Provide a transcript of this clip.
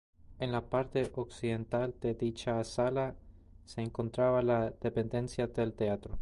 En la parte occidental de dicha sala se encontraba la dependencia del teatro.